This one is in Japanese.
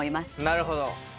なるほど。